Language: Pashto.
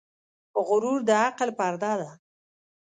غرور د عقل پرده ده .